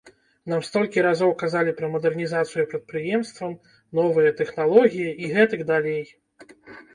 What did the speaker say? Нам столькі разоў казалі пра мадэрнізацыю прадпрыемстваў, новыя тэхналогіі і гэтак далей.